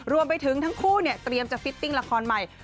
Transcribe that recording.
รวมไปถึงทั้งคู่เนี่ยเตรียมจะฟิตติ้งละครใหม่